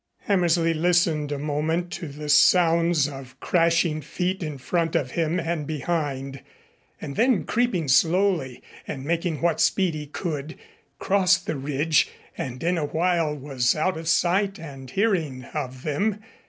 Hammersley listened a moment to the sounds of crashing feet in front of him and behind, and then, creeping slowly and making what speed he could, crossed the ridge and in a while was out of sight and hearing of them.